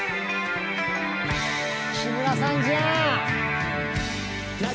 木村さんじゃん。